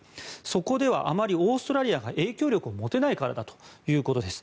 そこではあまりオーストラリアが影響力を持てないからだということです。